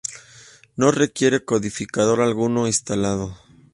No requiere codificador alguno instalado.